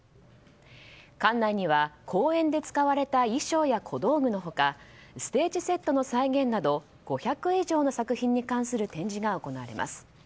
館内には公演で使われた衣装や小道具のほかステージセットの再現など５００以上の作品に関する展示が行われます。